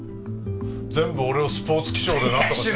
全部俺をスポーツ気象でなんとかしてくれ！